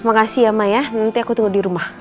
makasih ya ma ya nanti aku tunggu di rumah